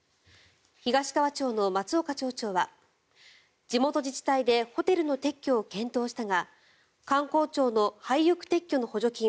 東川町の松岡町長は地元自治体でホテルの撤去を検討したが観光庁の廃屋撤去の補助金